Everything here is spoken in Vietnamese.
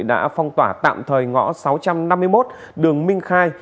đã phong tỏa tạm thời ngõ sáu trăm năm mươi một đường minh khai